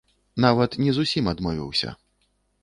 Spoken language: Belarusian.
Нават не зусім адмовіўся.